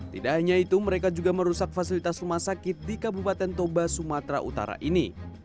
tidak hanya itu mereka juga merusak fasilitas rumah sakit di kabupaten toba sumatera utara ini